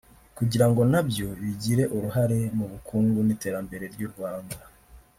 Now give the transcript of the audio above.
kugira ngo nabyo bigire uruhare mu bukungu n’iterambere ry’u Rwanda